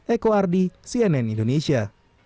eko ardi cnn indonesia